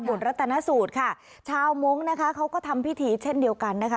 รัตนสูตรค่ะชาวมงค์นะคะเขาก็ทำพิธีเช่นเดียวกันนะคะ